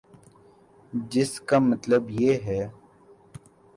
جس کا مطلب یہ ہے۔